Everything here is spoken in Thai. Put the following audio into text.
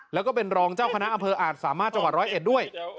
แล้วก็เป็นรองเจ้าคณะอำเภออาจสามารถจังหวัดร้อยเอ็ดด้วย